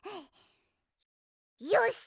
よし！